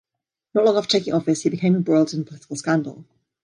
Not long after taking office, he became embroiled in a political scandal.